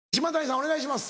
お願いします。